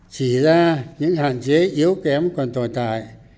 chỉ ra những hạn chế yếu kém còn tồi tải